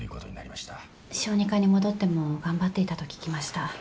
小児科に戻っても頑張っていたと聞きました。